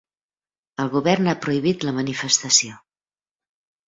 El govern ha prohibit la manifestació.